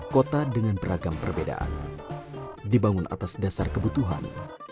kota dengan beragam perbedaan dibangun atas dasar kebutuhan